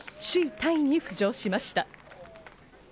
タイに浮上しました。